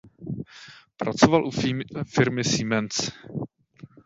Pracoval u firmy Siemens.